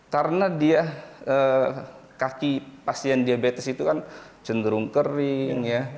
karena dia kaki pasien diabetes itu kan cenderung kering ya